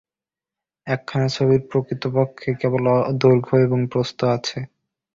একখানা ছবির প্রকৃতপক্ষে কেবল দৈর্ঘ্য ও প্রস্থ আছে।